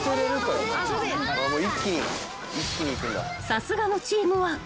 ［さすがのチームワーク］